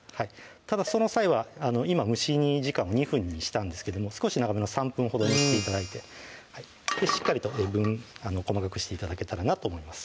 ただその際は今蒸し煮時間を２分にしたんですけども少し長めの３分ほどにして頂いてしっかりと細かくして頂けたらなと思います